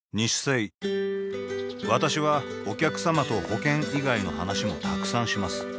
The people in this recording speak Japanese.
私はお客様と保険以外の話もたくさんします